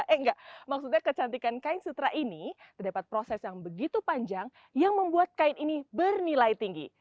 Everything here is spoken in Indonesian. eh enggak maksudnya kecantikan kain sutra ini terdapat proses yang begitu panjang yang membuat kain ini bernilai tinggi